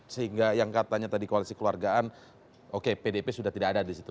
sehingga yang katanya tadi koalisi keluargaan oke pdip sudah tidak ada di situ